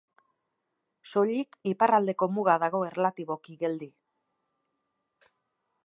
Soilik iparraldeko muga dago erlatiboki geldi.